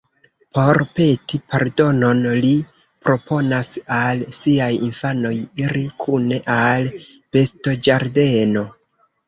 Por peti pardonon, ri proponas al siaj infanoj iri kune al bestoĝardeno.